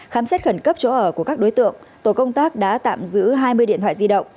khám xét khẩn cấp chỗ ở của các đối tượng tổ công tác đã tạm giữ hai mươi điện thoại di động